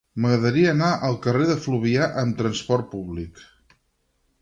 M'agradaria anar al carrer de Fluvià amb trasport públic.